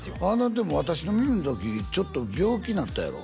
でも「わたしの耳」の時ちょっと病気になったやろ？